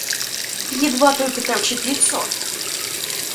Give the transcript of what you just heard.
Едва только торчит лицо.